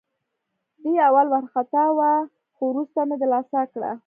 دی اول وارخطا وه، خو وروسته مې دلاسا کړه.